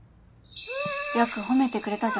よく褒めてくれたじゃん。